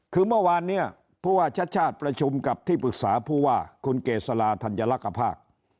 คือเมื่อวานเนี่ยผู้ว่าชาติชาติประชุมกับที่ปรึกษาผู้ว่าคุณเกษลาธัญลักษภาค